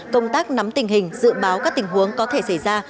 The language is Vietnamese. công tác nắm tình hình dự báo các tình huống có thể xảy ra